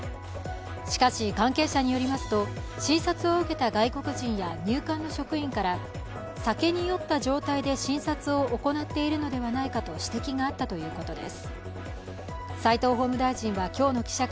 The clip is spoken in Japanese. しかし関係者によりますと、診察を受けた外国人や入管の職員から酒に酔った状態で診察を行っているのではないかと指摘があったということです。